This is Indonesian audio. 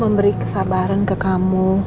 memberi kisah baran ke kamu